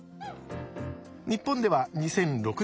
日本では２００６年